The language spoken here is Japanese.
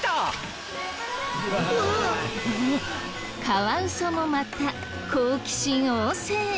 カワウソもまた好奇心旺盛。